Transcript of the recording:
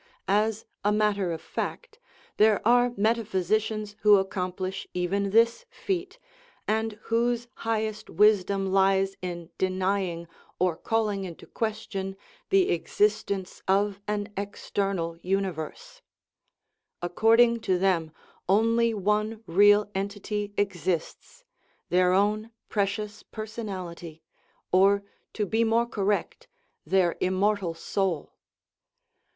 As a matter of fact, there are meta physicians who accomplish even this feat, and whose highest wisdom lies in denying or calling into ques tion the existence of an external universe; accord ing to them only one real entity exists their own precious personality, or, to be more correct, their im mortal soul.